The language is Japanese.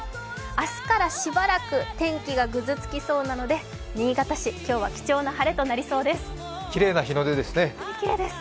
明日からしばらく天気がぐずつきそうなので新潟市、今日は貴重な晴れとなりそうです。